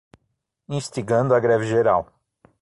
Instigando a greve geral